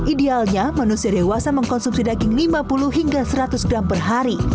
idealnya manusia dewasa mengkonsumsi daging lima puluh hingga seratus gram per hari